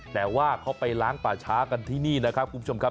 แต่ว่าเขาไปล้างป่าช้ากันที่นี่นะครับคุณผู้ชมครับ